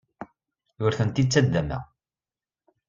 Ur tent-id-ttaddameɣ.